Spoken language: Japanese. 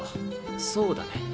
そうだね。